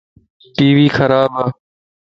ٽي وي خراب